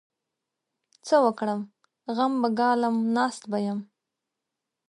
څه وکړم؟! غم به ګالم؛ ناست به يم.